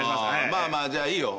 まあまあじゃあいいよ。